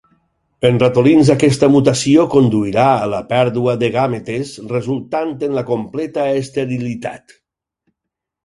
En ratolins aquesta mutació conduirà a la pèrdua de gàmetes resultant en la completa esterilitat.